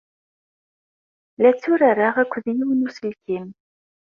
La tturareɣ akked yiwen n uselkim.